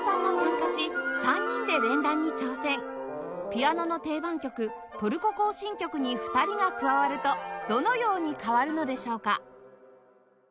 ピアノの定番曲『トルコ行進曲』に２人が加わるとどのように変わるのでしょうか？